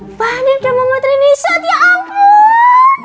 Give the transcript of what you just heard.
mbak aneh udah mau maternity shot ya ampun